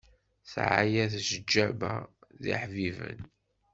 Sɛaya teǧǧaba d iḥbiben.